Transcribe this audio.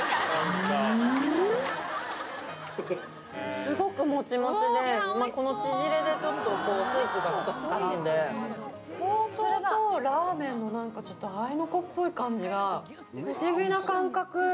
すごくもちもちで、ちぢれでちょっとスープが絡んで、ほうとうとラーメンのあいのこっぽい感じが不思議な感覚。